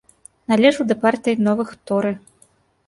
Належыў да партыі новых торы.